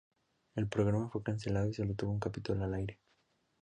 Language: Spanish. El programa fue cancelado y sólo tuvo un capítulo al aire.